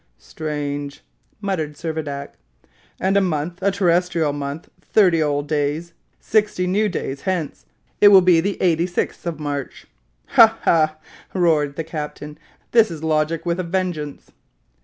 "Strange!" muttered Servadac. "And a month, a terrestrial month, thirty old days, sixty new days hence, it will be the 86th of March." "Ha, ha!" roared the captain; "this is logic with a vengeance!"